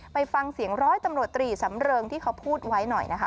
ไปฟังเสียงร้อยตำรวจตรีสำเริงที่เขาพูดไว้หน่อยนะคะ